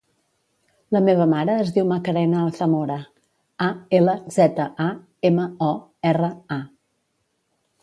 La meva mare es diu Macarena Alzamora: a, ela, zeta, a, ema, o, erra, a.